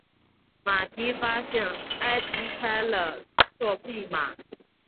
马蒂发现埃迪开了作弊码。